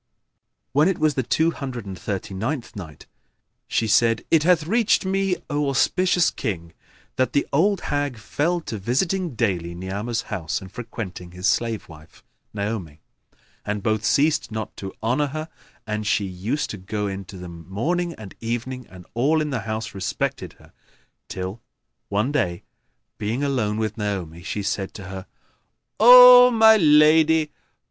When it was the Two Hundred and Thirty ninth Night, She said, It hath reached me, O auspicious King, that the old hag fell to visiting daily Ni'amah's house and frequenting his slave wife, Naomi; and both ceased not to honour her, and she used to go in to them morning and evening and all in the house respected her till, one day, being alone with Naomi, she said to her, "O my lady!